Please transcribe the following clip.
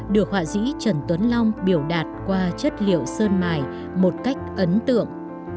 được họa sĩ trần tuấn long biểu đạt qua chất liệu sơn mài một cách ấn tượng